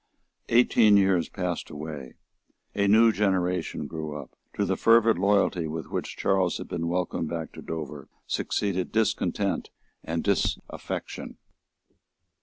Eighteen years passed away. A new generation grew up. To the fervid loyalty with which Charles had been welcomed back to Dover succeeded discontent and disaffection.